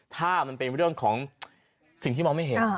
ถ้ามันเป็นเรื่องของสิ่งที่มองไม่เห็น